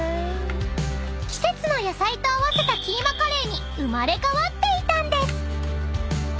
［季節の野菜と合わせたキーマカレーに生まれ変わっていたんです］